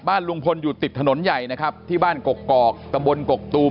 บ้านลุงพลอยู่ติดถนนใหญ่นะครับที่บ้านกกอกตำบลกกตูม